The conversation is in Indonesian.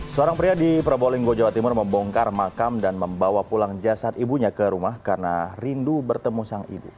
seorang pria di probolinggo jawa timur membongkar makam dan membawa pulang jasad ibunya ke rumah karena rindu bertemu sang ibu